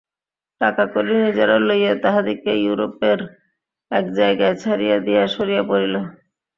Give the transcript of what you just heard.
টাকাকড়ি নিজেরা লইয়া তাহাদিগকে ইউরোপের এক জায়গায় ছাড়িয়া দিয়া সরিয়া পড়িল।